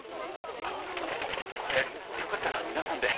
あっあのこれよかったら皆さんで。